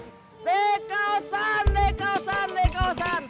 dekausan dekausan dekausan